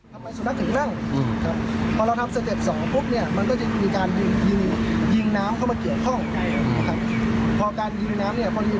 ทำไมสุนัขถึงนั่งอืมครับพอเราทำสเต็ปสองปุ๊บเนี้ย